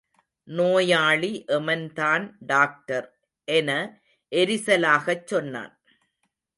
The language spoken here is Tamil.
நோயாளி எமன்தான் டாக்டர்— என எரிசலாகச் சொன்னான்.